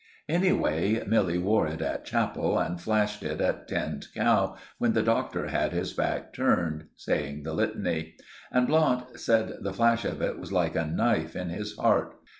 Anyway, Milly wore it at chapel, and flashed it at Tinned Cow when the Doctor had his back turned saying the Litany. And Blount said the flash of it was like a knife in his heart.